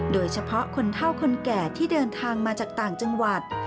โดยเฉพาะคนเท่าคนแก่ที่เดินทางมาจากต่างจังหวัด